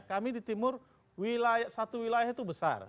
kami di timur satu wilayah itu besar